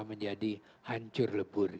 menjadi hancur lebur